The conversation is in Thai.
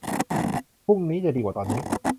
พรุ่งนี้จะดีกว่าตอนนี้